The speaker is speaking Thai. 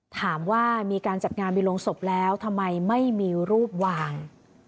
ถามว่ามีการจัดงานวิลงศพแล้วทำไมไม่มีรูปวาง